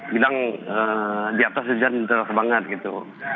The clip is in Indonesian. bilang di atas hujan intera banget gitu